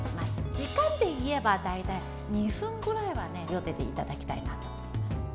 時間でいえば大体２分ぐらいはゆでていただきたいなと思います。